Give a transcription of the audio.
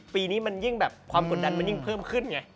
ปีนี้มันยิ่งแบบความกดดันมันยิ่งเพิ่มขึ้นไง